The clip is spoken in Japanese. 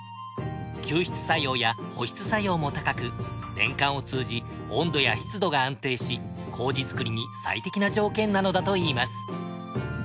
吸湿作用や保湿作用も高く年間を通じ温度や湿度が安定し糀作りに最適な条件なのだといいます。